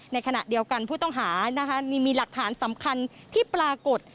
ในขณะเดียวกันผู้ต้องหานี่มีหลักฐานสำคัญที่ปรากฏ